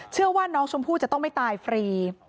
เชื่อว่าน้องชมพู่จะต้องไม่ตายฟรี